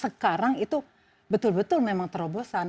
sekarang itu betul betul memang terobosan